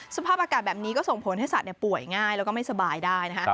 สภาพอากาศแบบนี้ก็ส่งผลให้สัตว์ป่วยง่ายแล้วก็ไม่สบายได้นะคะ